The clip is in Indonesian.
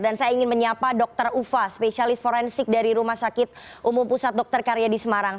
dan saya ingin menyapa dr ufa spesialis forensik dari rumah sakit umum pusat dr karya di semarang